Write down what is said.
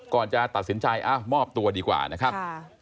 ก่อนจะตัดสินใจมอบตัวดีกว่านะครับ